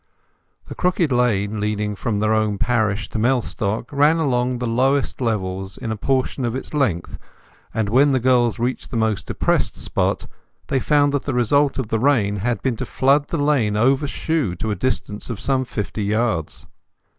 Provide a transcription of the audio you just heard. The crooked lane leading from their own parish to Mellstock ran along the lowest levels in a portion of its length, and when the girls reached the most depressed spot they found that the result of the rain had been to flood the lane over shoe to a distance of some fifty yards.